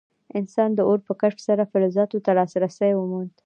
انسان د اور په کشف سره فلزاتو ته لاسرسی وموند.